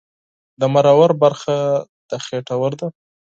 د مرور برخه د خېټور ده